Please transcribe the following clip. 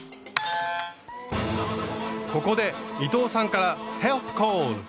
ここで伊藤さんからヘルプコール！